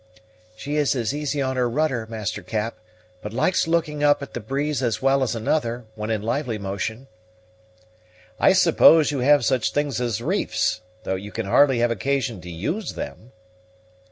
"She is easy on her rudder, master Cap; but likes looking up at the breeze as well as another, when in lively motion." "I suppose you have such things as reefs, though you can hardly have occasion to use them?"